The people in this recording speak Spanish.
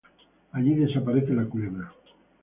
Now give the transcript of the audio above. Allí desaparece la culebra.